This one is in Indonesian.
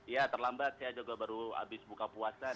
ya terlambat saya juga baru habis buka puasa